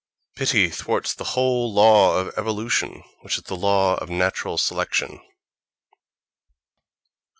Pity thwarts the whole law of evolution, which is the law of natural selection.